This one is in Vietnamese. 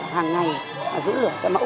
hàng ngày giữ lửa cho mẫu